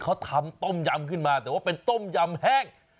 เขาทำต้มยำขึ้นมาแต่ว่าเป็นต้มยำแห้ง